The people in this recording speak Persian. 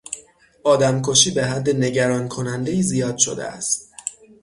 آدم کشی به حد نگران کنندهای زیاد شده است.